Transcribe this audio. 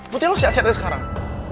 berarti lo siap siap aja sekarang